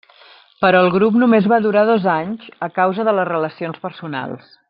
Però el grup només va durar dos anys, a causa de les relacions personals.